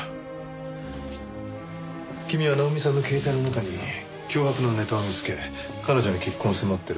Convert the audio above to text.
君は奈穂美さんの携帯の中に脅迫のネタを見つけ彼女に結婚を迫ってる。